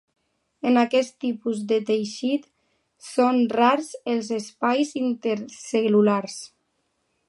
En aquest tipus de teixit són rars els espais intercel·lulars.